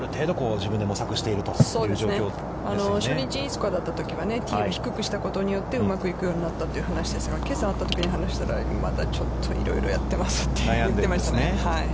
初日、いいスコアだったときは、ティーを低くしたことでうまくいくようになったという話ですがけさ、会ったときに話したら、まだ、ちょっといろいろやってますって言ってましたね。